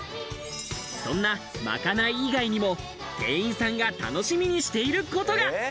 そんなまかない以外にも、店員さんが楽しみにしていることが。